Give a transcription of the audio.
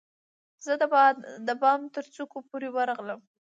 زه د بام ترڅوکو پورې ورغلم